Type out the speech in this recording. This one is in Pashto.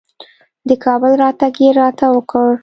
د کابل راتګ یې راته وکړ.